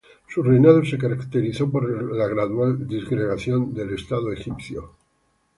Su reinado se caracterizó por la gradual disgregación del estado egipcio.